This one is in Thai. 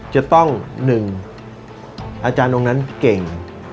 จะต้อง๑อาจารย์องค์นั้นเก่ง